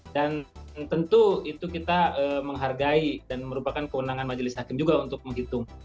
dan tentu itu kita menghargai dan merupakan keunangan majelis hakim juga untuk menghitung